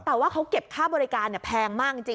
แต่ว่าเขาเก็บค่าบริการแพงมากจริง